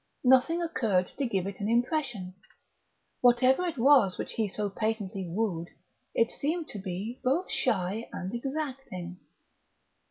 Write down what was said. Nothing occurred to give it an impression. Whatever it was which he so patiently wooed, it seemed to be both shy and exacting.